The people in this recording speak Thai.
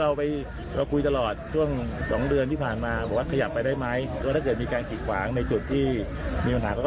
เขามีการแจ้งมีการบอกเตือนมาก่อนนั้นนี้แล้ว